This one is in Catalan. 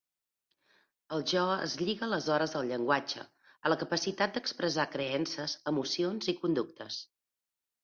El jo es lliga aleshores al llenguatge, a la capacitat d'expressar creences, emocions i conductes.